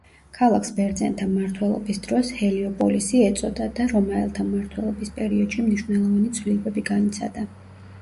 ქალაქს ბერძენთა მმართველობის დროს ჰელიოპოლისი ეწოდა და რომაელთა მმართველობის პერიოდში მნიშვნელოვანი ცვლილებები განიცადა.